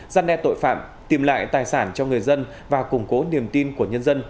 gian đe tội phạm tìm lại tài sản cho người dân và củng cố niềm tin của nhân dân